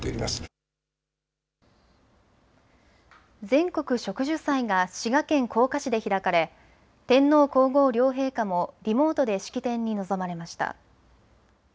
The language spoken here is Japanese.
全国植樹祭が滋賀県甲賀市で開かれ天皇皇后両陛下もリモートで式典に臨まれました。